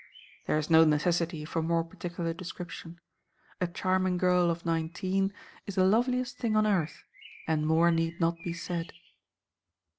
There is no necessity for more particular description. A charming girl of nineteen is the loveliest thing on earth, and more need not be said.